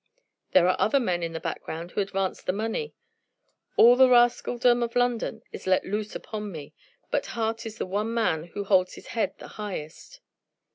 There are other men in the background who advanced the money. All the rascaldom of London is let loose upon me. But Hart was the one man who holds his head the highest."